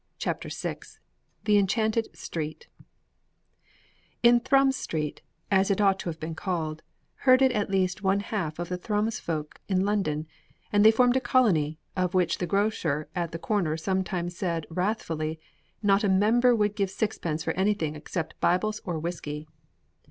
CHAPTER VI THE ENCHANTED STREET In Thrums Street, as it ought to have been called, herded at least one half of the Thrums folk in London, and they formed a colony, of which the grocer at the corner sometimes said wrathfully that not a member would give sixpence for anything except Bibles or whiskey.